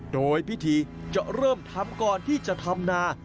โดยพิธีจะเริ่มทำก่อนที่จะทำนา